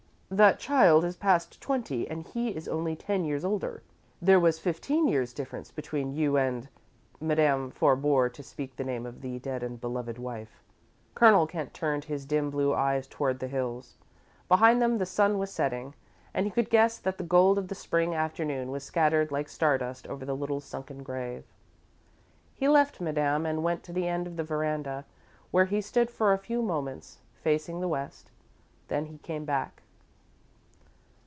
"'That child' is past twenty, and he is only ten years older. There was fifteen years' difference between you and " Madame forebore to speak the name of the dead and beloved wife. Colonel Kent turned his dim blue eyes toward the hills. Behind them the sun was setting, and he could guess that the gold of the Spring afternoon was scattered like star dust over the little sunken grave. He left Madame and went to the end of the veranda, where he stood for a few moments, facing the West. Then he came back.